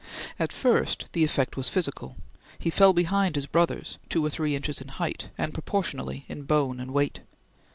At first, the effect was physical. He fell behind his brothers two or three inches in height, and proportionally in bone and weight.